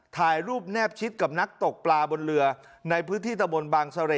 ถ่ายรูปแนบชิดกับนักตกปลาบนเรือในพื้นที่ตะบนบางเสร่